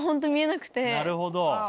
なるほど。